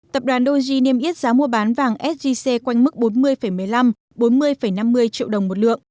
tập đoàn doge niêm yết giá mua bán vàng sgc quanh mức bốn mươi một mươi năm bốn mươi năm mươi triệu đồng một lượng